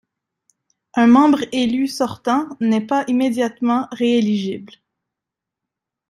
Un membre élu sortant n'est pas immédiatement rééligible.